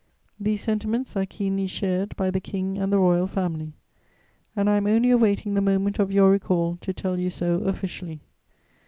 These sentiments are keenly shared by the King and the Royal Family, and I am only awaiting the moment of your recall to tell you so officially.